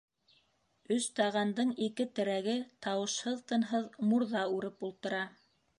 «Өс таған»дың ике терәге, тауышһыҙ-тынһыҙ мурҙа үреп ултыра.